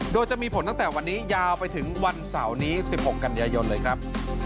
โดยจะมีผลตั้งแต่วันนี้ยาวไปถึงวันเสาร์นี้๑๖กันยายนเลยครับ